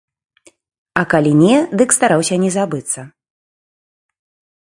А калі не, дык стараўся не забыцца.